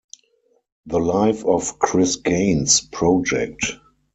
The Life of Chris Gaines project.